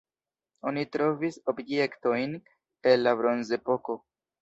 Oni trovis objektojn el la bronzepoko.